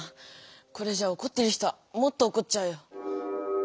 これじゃおこってる人はもっとおこっちゃうよ。